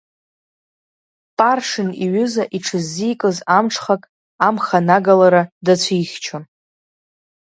Паршин иҩыза иҽыззикыз амҽхак амханагалара дацәихьчон.